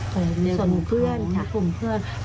ผมเพื่อนคุณผมเพื่อน